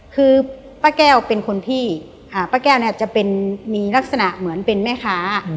คือป้าแก้วเป็นคนพี่ป้าแก้วเนี่ยจะเป็นมีลักษณะเหมือนเป็นแม่ค้า